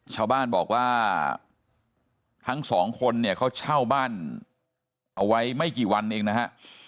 ชาวบ้านบอกว่าทั้งสองคนเนี่ยเขาเช่าบ้านเอาไว้ไม่กี่วันเองนะฮะ